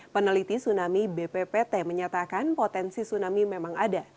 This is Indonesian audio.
peneliti tsunami bppt menyatakan potensi tsunami memang ada